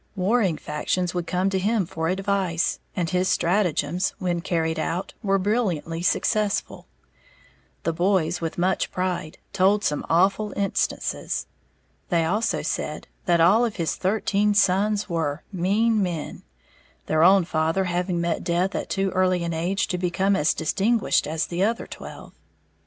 Warring factions would come to him for advice; and his stratagems, when carried out, were brilliantly successful. The boys, with much pride, told some awful instances. They also said that all of his thirteen sons were "mean men," their own father having met death at too early an age to become as distinguished as the other twelve.